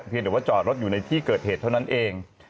หรือว่าจอดรถอยู่ในที่เกิดเหตุเท่านั้นเอง